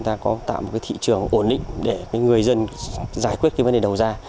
ta có tạo một cái thị trường ổn định để cái người dân giải quyết cái vấn đề đầu ra